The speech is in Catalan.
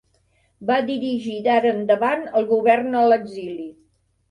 Va dirigir d'ara endavant el govern a l'exili.